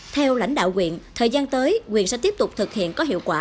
theo lãnh đạo quyền thời gian tới quyền sẽ tiếp tục thực hiện có hiệu quả